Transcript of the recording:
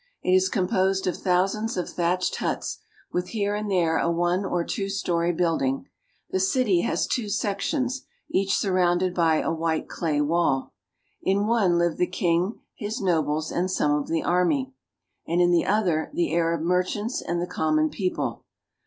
It is composed of thousands of thatched huts, with here and there a one or two story building. The city has two sections, each surrounded by a white clay wall. In one live the king, his nobles, and some of the army ; and in the other the Arab merchants and the common people.